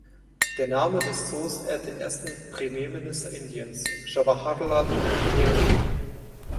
Der Name des Zoos ehrt den ersten Premierminister Indiens Jawaharlal Nehru.